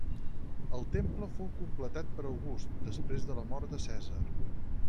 El temple fou completat per August, després de la mort de Cèsar.